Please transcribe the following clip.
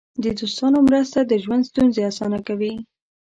د دوستانو مرسته د ژوند ستونزې اسانه کوي.